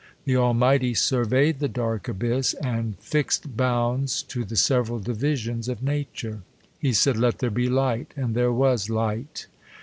The Almighty ' surveyed the dark abyss ; and fixed bounds to the sev eral divisions of nature. He said, " Let there be light, and there was light."